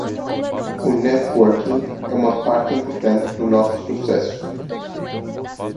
O networking é uma parte importante de nosso sucesso.